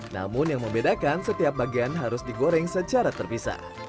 namun yang membedakan setiap bagian harus digoreng secara terpisah